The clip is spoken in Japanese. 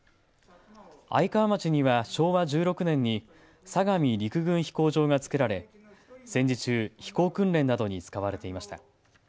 愛川町には昭和１６年に相模陸軍飛行場が作られ戦時中、飛行訓練などに使われていました。